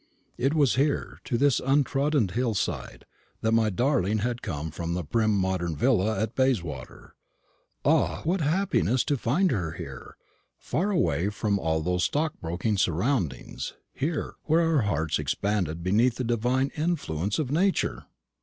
It was here, to this untrodden hillside, that my darling had come from the prim modern villa at Bayswater. Ah, what happiness to find her here, far away from all those stockbroking surroundings here, where our hearts expanded beneath the divine influence of Nature!